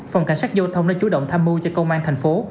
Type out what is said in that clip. phòng cảnh sát giao thông đã chủ động tham mưu cho công an thành phố